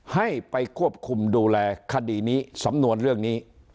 ให้ไปควบคุมดูแลคดีนี้สำนวนเรื่องนี้